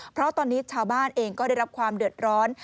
เพราะตอนนี้ชาวบ้านเองก็ได้รับความเดือดร้อน